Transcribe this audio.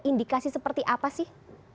indikasi seperti apa sih